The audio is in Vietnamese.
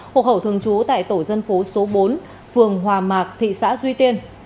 hộ khẩu thường trú tại tổ dân phố số bốn phường hòa mạc thị xã duy tiên